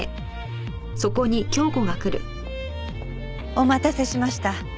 お待たせしました。